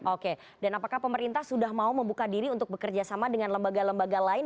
oke dan apakah pemerintah sudah mau membuka diri untuk bekerja sama dengan lembaga lembaga lain